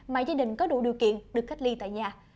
mà gia đình có đủ điều kiện được cách ly tại nhà